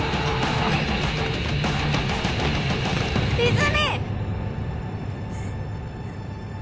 泉！